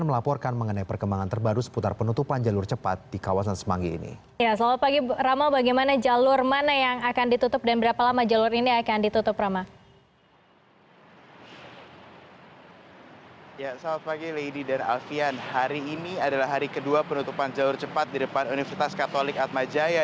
hari kedua penutupan jalur cepat di depan universitas katolik atmajaya